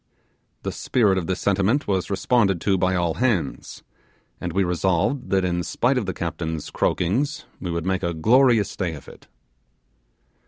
The spirit of this sentiment was responded to by all hands, and we resolved that in spite of the captain's croakings we would make a glorious day of it.